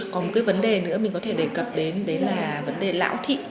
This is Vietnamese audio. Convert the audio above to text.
còn một cái vấn đề nữa mình có thể đề cập đến đấy là vấn đề lão thị